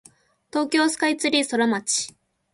東京スカイツリーソラマチ